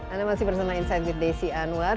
anda masih bersama insight with desi anwar